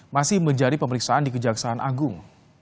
masih menjadi pemeriksaan di kejaksaan agung